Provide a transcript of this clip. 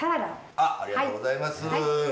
ありがとうございます。